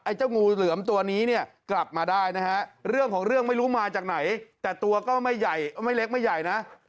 ไอ้เจ้างูเหลือมตัวนี้เนี่ย